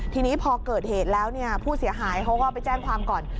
ทีนี้พอเกิดเหตุแล้วเนี่ยผู้เสียหายเขาก็ไปแจ้งความก่อน